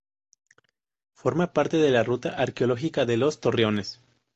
Forma parte de la Ruta arqueológica de los Torreones.